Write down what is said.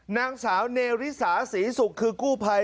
นางสาวเนริสาศรีศุกร์คือกู้ภัย